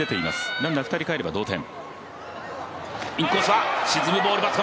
ランナー２人帰れば同点。